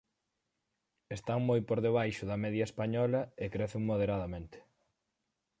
están moi por debaixo da media española e crecen moderadamente.